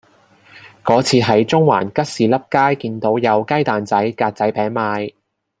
嗰次喺中環吉士笠街見到有雞蛋仔格仔餅賣